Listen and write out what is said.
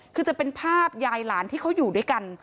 คือจะเป็นภาพยายหลานที่เขาอยู่ด้วยกัน